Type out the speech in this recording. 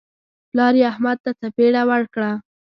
پلار یې احمد ته څپېړه ورکړه.